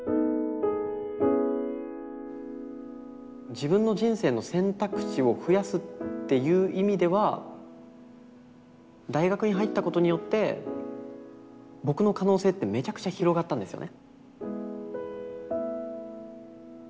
自分の人生の選択肢を増やすっていう意味では大学に入ったことによって僕の可能性ってめちゃくちゃ広がったんですよね。